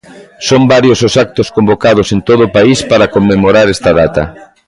Son varios os actos convocados en todo o país para conmemorar esta data.